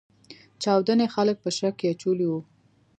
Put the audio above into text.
چاودنې خلګ په شک کې اچولي وو.